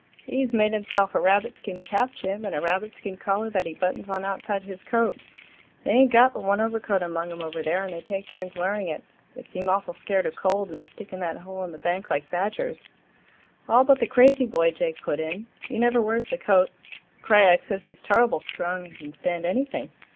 "He's made himself a rabbit skin cap, Jim, and a rabbit skin collar that he buttons on outside his coat. They ain't got but one overcoat among 'em over there, and they take turns wearing it. They seem awful scared of cold, and stick in that hole in the bank like badgers." "All but the crazy boy," Jake put in. "He never wears the coat. Krajiek says he's turrible strong and can stand anything.